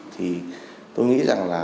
thì tôi nghĩ rằng là